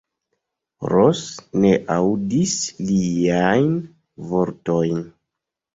Ros ne aŭdis liajn vortojn.